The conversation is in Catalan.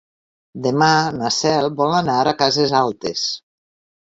Demà na Cel vol anar a Cases Altes.